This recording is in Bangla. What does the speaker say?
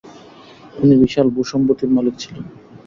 তিনি বিশাল ভূসম্পত্তির মালিক ছিলেন।